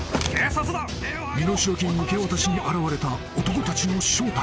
［身代金受け渡しに現れた男たちの正体］